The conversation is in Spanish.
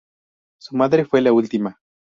Su madre fue la última.